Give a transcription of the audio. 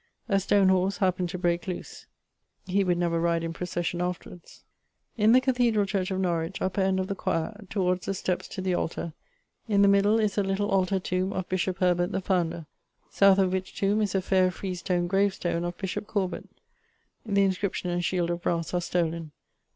A stone horse happend to breake loose ... he would never ride in procession afterwards. In the cathedral church of Norwich, upper end of the choeur, towards the steppes to the altar, in the middle is a little altar tombe of bishop Herbert the founder; south of which tombe is a faire freestone gravestone of bishop Corbet, the inscription and shield of brasse are stollen.